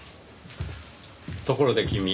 ところで君